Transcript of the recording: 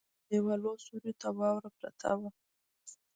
د ديوالونو سيورو ته واوره پرته وه.